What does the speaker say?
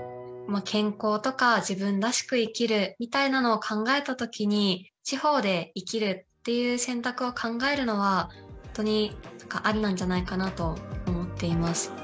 健康とか自分らしく生きるみたいなのを考えた時に地方で生きるっていう選択を考えるのは本当にありなんじゃないかなと思っています。